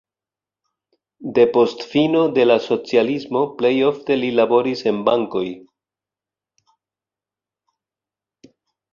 Depost fino de la socialismo plej ofte li laboris en bankoj.